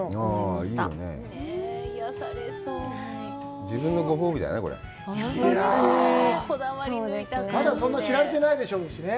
まだそんなに知られてないでしょうしね。